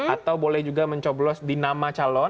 atau boleh juga mencoblos di nama calon